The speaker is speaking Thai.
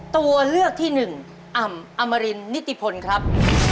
ตัวเลือกที่หนึ่งอ่ำอมรินนิติพลครับ